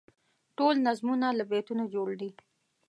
ټول نظمونه له بیتونو جوړ دي.